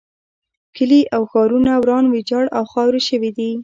کلي او ښارونه وران ویجاړ او خاورې شوي دي.